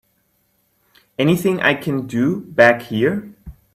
Anything I can do back here?